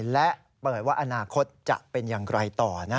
และเปิดว่าอนาคตจะเป็นอย่างไรต่อนะ